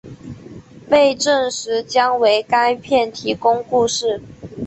被证实将为该片提供故事。